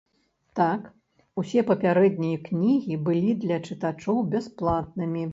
Так, усе папярэднія кнігі былі для чытачоў бясплатнымі.